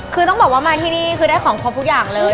คือต้องบอกว่ามาที่นี่คือได้ของครบทุกอย่างเลย